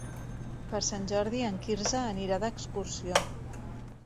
Per Sant Jordi en Quirze anirà d'excursió.